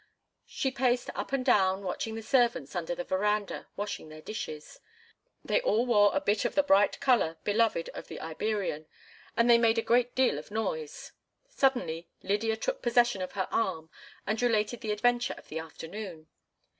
She paced up and down watching the servants under the veranda washing their dishes. They all wore a bit of the bright color beloved of the Iberian, and they made a great deal of noise. Suddenly Lydia took possession of her arm and related the adventure of the afternoon.